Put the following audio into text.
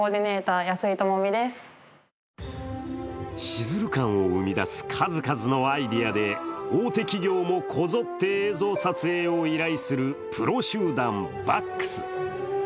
シズル感を生み出す数々のアイデアで大手企業もこぞって映像撮影を依頼するプロ集団バックス。